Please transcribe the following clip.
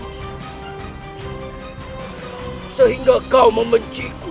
hai sehingga kau membenciku